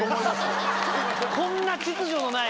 こんな秩序のない。